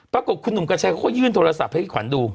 ปรากฏคุณหนุ่มกัญชัยเขาก็ยื่นโทรศัพท์ให้ขวัญดู